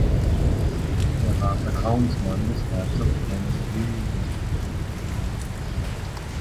Er war Vertrauensmann des Herzogs von Luynes.